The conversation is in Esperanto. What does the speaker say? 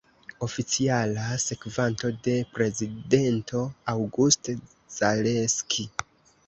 Oficiala sekvanto de prezidento August Zaleski.